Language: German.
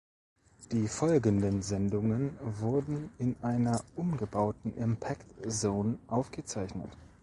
Die folgenden Sendungen wurden in einer umgebauten Impact-Zone aufgezeichnet.